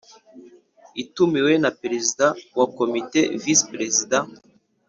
itumiwe na Perezida wa Komite Visi Prezida